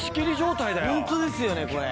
ホントですよねこれ。